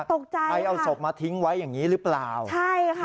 ตกใจใครเอาศพมาทิ้งไว้อย่างงี้หรือเปล่าใช่ค่ะ